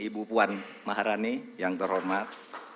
ibu puan maharani yang terhormat